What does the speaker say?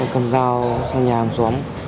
cầm dao sang nhà hàng xóm